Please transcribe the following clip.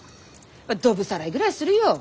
ドブさらいぐらいするよ。